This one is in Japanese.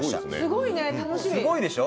すごいね楽しみ。